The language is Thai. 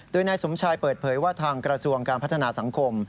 โดยนายสมชายเปิดเผยว่าทางกระทรวงการพัฒนาสังคม